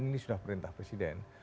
ini sudah perintah presiden